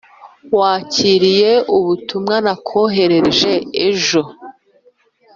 wakiriye ubutumwa nakwoherereje ejo? eldad